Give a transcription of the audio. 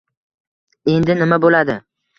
Endi nima boʻladi?